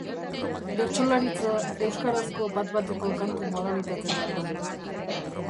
Bertsolaritza euskarazko bat-bateko kantu modalitate bat da.